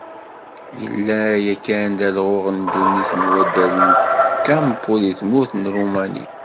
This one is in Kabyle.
Yellan yakan d alɣuɣ n ddunit n waddal n Kempo deg tmurt n Rumani.